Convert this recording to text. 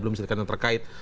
belum bisa dikatakan terkait